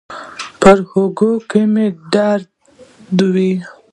پر اوږه کې يې درد و.